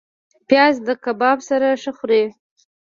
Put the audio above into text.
پیاز د کباب سره ښه خوري